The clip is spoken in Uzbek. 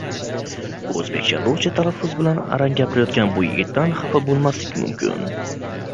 O’zbekchani ruscha talaffuz bilan arang gapirayotgan bu yigitdan xafa bo‘lmaslik mumkin: